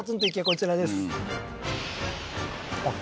こちらですあっ